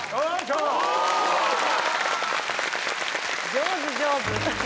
上手、上手。